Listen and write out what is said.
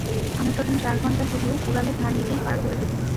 আমি প্রথম চার ঘণ্টা শুধু কুড়ালে ধার দিতেই পার করে দেব।